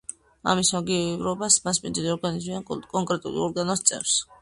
ამის მაგივრობას მასპინძელი ორგანიზმი ან კონკრეტული ორგანო სწევს.